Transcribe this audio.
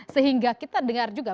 sehingga kita dengar juga